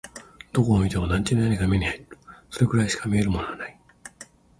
どこを見ても団地の屋根が目に入る。それくらいしか見えるものはない。